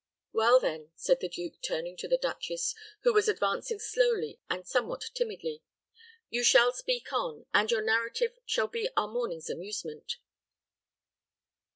"Well, then," said the duke, turning to the duchess, who was advancing slowly and somewhat timidly, "you shall speak on, and your narrative shall be our morning's amusement."